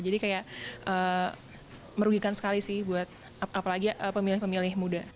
jadi kayak merugikan sekali sih buat apalagi pemilih pemilih muda